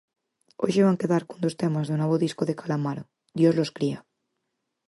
Hoxe van quedar cun dos temas do novo disco de Calamaro 'Dios los cría'.